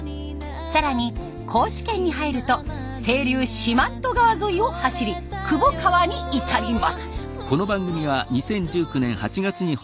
更に高知県に入ると清流四万十川沿いを走り窪川に至ります。